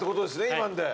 今ので。